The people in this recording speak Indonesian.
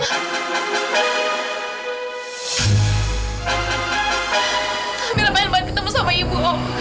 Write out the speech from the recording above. amira saya ingin bertemu sama ibu om